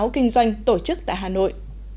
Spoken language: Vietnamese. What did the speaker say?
kinh doanh tổ chức tại hà nội